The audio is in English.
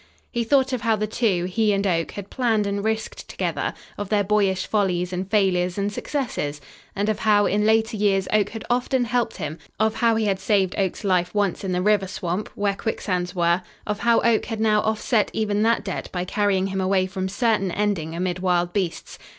He thought of how the two, he and Oak, had planned and risked together, of their boyish follies and failures and successes, and of how, in later years, Oak had often helped him, of how he had saved Oak's life once in the river swamp, where quicksands were, of how Oak had now offset even that debt by carrying him away from certain ending amid wild beasts.